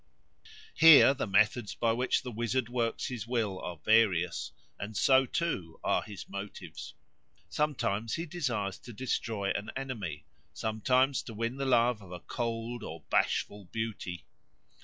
Here the methods by which the wizard works his will are various, and so too are his motives. Sometimes he desires to destroy an enemy, sometimes to win the love of a cold or bashful beauty.